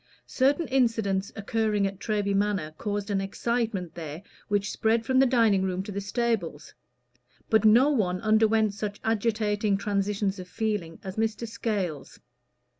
Certain incidents occurring at Treby Manor caused an excitement there which spread from the dining room to the stables; but no one underwent such agitating transitions of feeling as Mr. Scales.